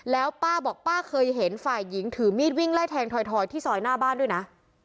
แล้วป้าบอกป้าเคยเห็นฝ่ายหญิงถือมีดวิ่งไล่แทงถอยที่ซอยหน้าบ้านด้วยนะ